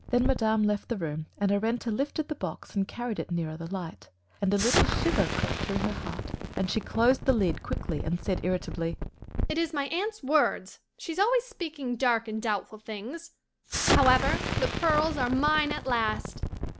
Then madame left the room and Arenta lifted the box and carried it nearer to the light. And a little shiver crept through her heart and she closed the lid quickly and said irritably "It is my aunt's words. She is always speaking dark and doubtful things. However, the pearls are mine at last!"